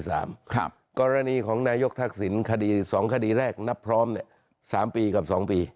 กรณีของนายกทักษิณคดี๒คดีแรกนับพร้อม๓ปีกับ๒ปี